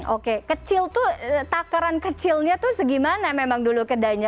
oke kecil tuh takaran kecilnya tuh segimana memang dulu kedainya